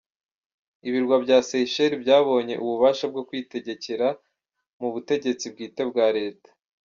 Ibirwa bya Seychelles byabonye ububasha bwo kwitegekera mu butegetsi bwite bwa Leta.